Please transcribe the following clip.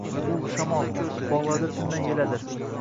U — shamol, bog’larda tinmay yeladir.